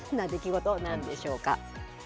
どんな出来事なんでしょうか。